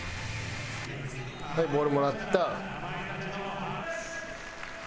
「はいボールもらった」